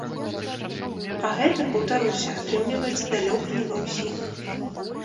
А гэта, паўтаруся, атрымліваецца далёка не ва ўсіх.